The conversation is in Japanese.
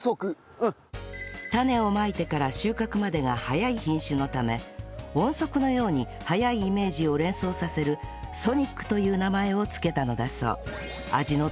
種をまいてから収穫までが早い品種のため音速のように速いイメージを連想させる「ソニック」という名前を付けたのだそう